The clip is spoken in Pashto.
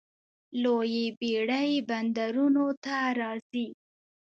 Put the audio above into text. لویې بیړۍ بندرونو ته راځي.